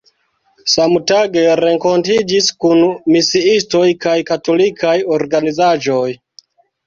Samtage renkontiĝis kun misiistoj kaj katolikaj organizaĵoj.